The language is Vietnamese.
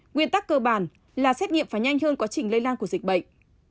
nguyên tắc cơ bản là xét nghiệm và nhanh hơn quá trình lây lan của dịch bệnh